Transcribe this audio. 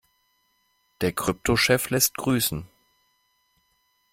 Der Kryptochef lässt grüßen.